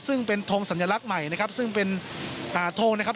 ซึ่งเป็นทงสัญลักษณ์ใหม่นะครับซึ่งเป็นอ่าทงนะครับ